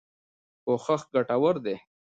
کوښښ ګټور دی.